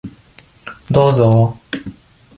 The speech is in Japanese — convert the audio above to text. どうぞ。